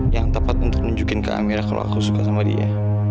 yang tepat untuk nunjukin ke amira kalau aku suka sama dia